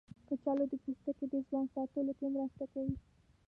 کچالو د پوستکي د ځوان ساتلو کې مرسته کوي.